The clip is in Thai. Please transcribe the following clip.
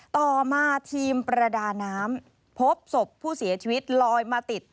ต่อมาทีมประดาน้ำพบศพผู้เสียชีวิตลอยมาติด